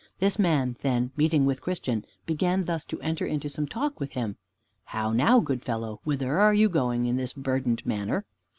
This man, then, meeting with Christian, began thus to enter into some talk with him: "How now, good fellow, whither are you going in this burdened manner?"